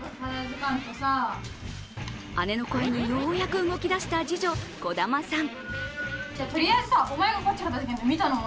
姉の声にようやく動き出した次女・小珠さん。